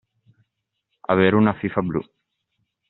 Avere una fifa blu.